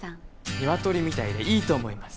ニワトリみたいでいいと思います。